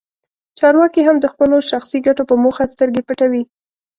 چارواکي هم د خپلو شخصي ګټو په موخه سترګې پټوي.